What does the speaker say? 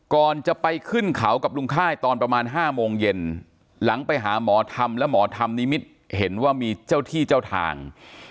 ก่อนจะไปขึ้นเขากับลุงค่ายตอนประมาณ๕โมงเย็นหลังไปหาหมอธรรมและหมอธรรมนิมิตเห็นว่ามีเจ้าที่เจ้าทาง